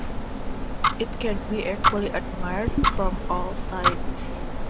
It can be equally admired from all sides.